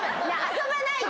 遊ばないで。